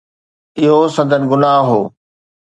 اهو سندن گناهه هو.